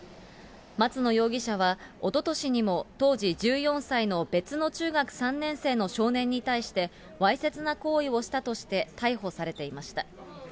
松野容疑者はおととしにも、当時１４歳の別の中学３年生の少年に対して、わいせつな行為をしたとして、逮捕されていました。